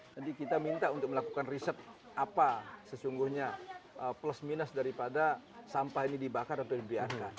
jadi kita minta untuk melakukan riset apa sesungguhnya plus minus daripada sampah ini dibakar atau dibiarkan